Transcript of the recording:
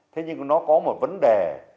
thế nhưng nó có một vấn đề